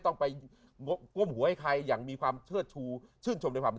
ต้องไปมุกมรุมหัวให้ใครอย่างมีความเชื่อชูจึ้มในความเป็น